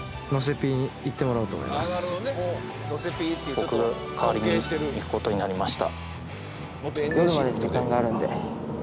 僕が代わりに行くことになりました